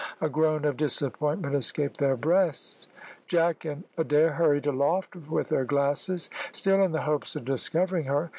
A groan of disappointment escaped their breasts. Jack and Adair hurried aloft with their glasses, still in the hopes of discovering her.